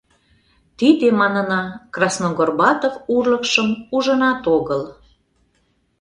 — Тиде, манына, красногорбатов урлыкшым ужынат огыл.